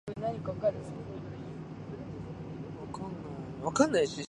コロラド州の州都はデンバーである